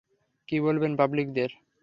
কী বলবেন পাবলিকদের?